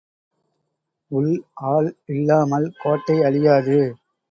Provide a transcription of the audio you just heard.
உள் ஆள் இல்லாமல் கோட்டை அழியாது.